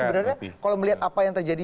sebenarnya kalau melihat apa yang terjadi